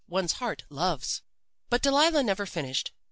One's heart loves ' "But Delilah never finished.